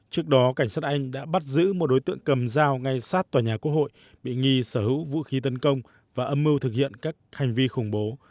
trước đó cảnh sát anh đã bắt giữ một đối tượng cầm dao ngay sát tòa nhà quốc hội bị nghi sở hữu vũ khí tấn công và âm mưu thực hiện các hành vi khủng bố